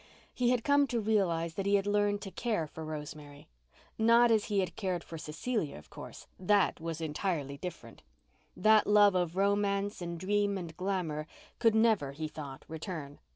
He had come to realize that he had learned to care for Rosemary. Not as he had cared for Cecilia, of course. That was entirely different. That love of romance and dream and glamour could never, he thought, return.